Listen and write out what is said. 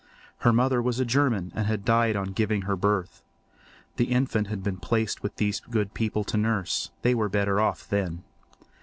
Her mother was a German and had died on giving her birth. The infant had been placed with these good people to nurse: they were better off then.